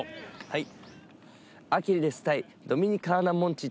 はい。